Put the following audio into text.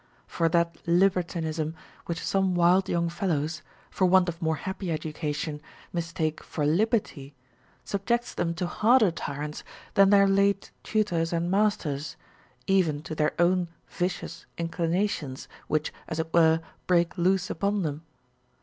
For that libertinism which some wild young fellows, for want of more happy education, mistake for liberty, subjects them to harder tyrants than their late tutors and masters, even to their own vicious inclinations, which, as it Avere, break loose upon them.